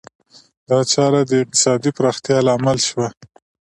دا چاره د اقتصادي پراختیا لامل شوه.